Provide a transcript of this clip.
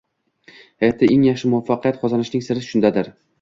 Hayotda eng yaxshi muvaffaqiyat qozonishning siri shundadir.